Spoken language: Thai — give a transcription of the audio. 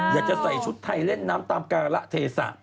อยากจะใส่ชุดไทยเล่นน้ำตามการะเทศะ